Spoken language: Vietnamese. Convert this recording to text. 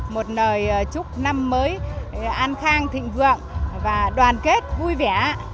một lời chúc năm mới an khang thịnh vượng và đoàn kết vui vẻ